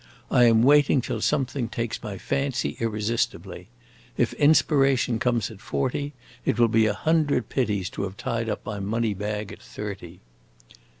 I am waiting till something takes my fancy irresistibly. If inspiration comes at forty, it will be a hundred pities to have tied up my money bag at thirty."